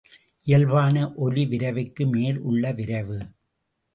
இயல்பான ஒலிவிரைவுக்கு மேல் உள்ள விரைவு.